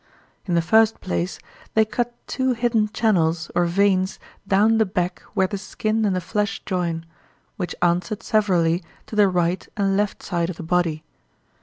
In the first place, they cut two hidden channels or veins down the back where the skin and the flesh join, which answered severally to the right and left side of the body.